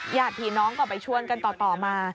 ญาติพี่น้องก็ไปชวนกันต่อมา